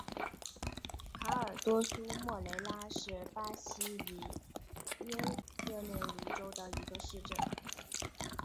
卡尔多苏莫雷拉是巴西里约热内卢州的一个市镇。